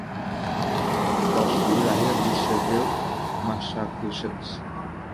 Crosby lahir di Sheffield, Massachusetts.